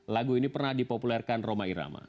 lagu ini pernah dipopulerkan roma irama